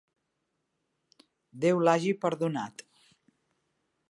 Déu l'hagi perdonat!